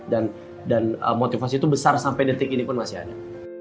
dan motivasi itu besar sampai detik ini pun masih ada